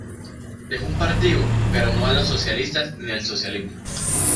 Dejó un partido, pero no a los socialistas ni al socialismo.